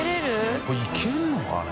海いけるのかね？